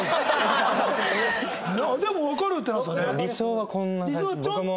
でも「わかる！」ってなってたね。